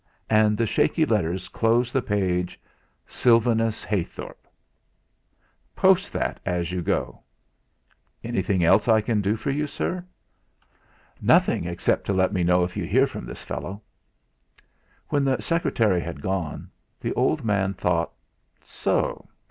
And the shaky letters closed the page: "SYLVANUS HEYTHORP." "Post that as you go." "Anything else I can do for you, sir?" "Nothing, except to let me know if you hear from this fellow." When the secretary had gone the old man thought: 'So!